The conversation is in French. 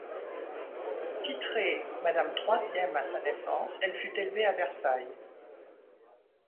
Titrée Madame Troisième à sa naissance, elle fut élevée à Versailles.